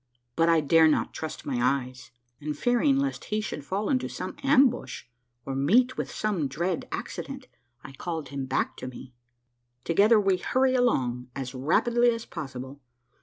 But I dare not trust my eyes, and fearing lest he should fall into some ambush or meet with some dread accident, I called him back to me. Together we hurry along as rapidly as possible.